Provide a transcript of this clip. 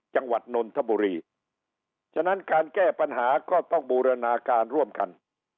จังหวัดนนทบุรีฉะนั้นการแก้ปัญหาก็ต้องบูรณาการร่วมกัน